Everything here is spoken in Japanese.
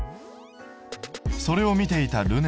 それを見ていたるね